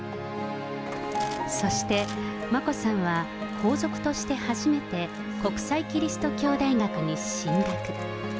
そして、眞子さんは皇族として初めて、国際基督教大学に進学。